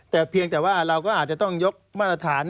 แต่เพียงแต่ว่าเราก็อาจจะต้องยกมาตรฐาน